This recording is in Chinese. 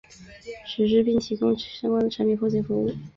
实施并提供产品相关的后勤服务。